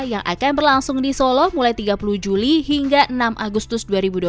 yang akan berlangsung di solo mulai tiga puluh juli hingga enam agustus dua ribu dua puluh tiga